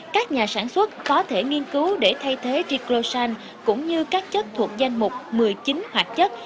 các nhà sản xuất có thể nghiên cứu để thay thế trigrosan cũng như các chất thuộc danh mục một mươi chín hoạt chất